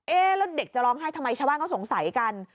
แล้วเด็กจะร้องไห้ทำไมชาวบ้านเขาสงสัยกัน